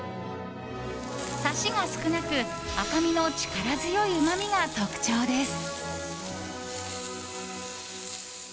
サシが少なく赤身の力強いうまみが特徴です。